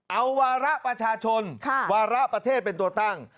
เอาวาระประชาชนวาระประเทศเป็นตัวตั้ง